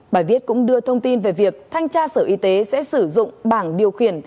bài viết cũng đưa thông tin về việc thanh tra sở y tế sẽ sử dụng bảng điều khiển